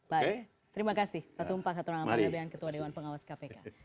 baik terima kasih pak tumpak ketua dewan pengawas kpk